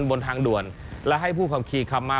บนทางด่วนและให้ผู้ขับขี่ขับมา